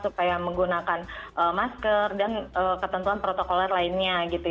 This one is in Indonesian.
supaya menggunakan masker dan ketentuan protokol lainnya gitu ya